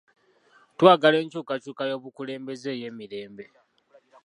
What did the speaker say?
Twagala enkyukakyuka y'obukulembeze ey'emirembe.